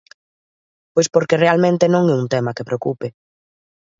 Pois porque realmente non é un tema que preocupe.